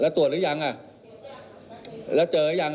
รถตรวจหรือยังอ่ะแล้วจะอย่างอ่ะ